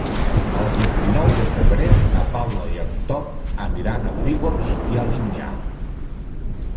El vint-i-nou de febrer na Paula i en Tom aniran a Fígols i Alinyà.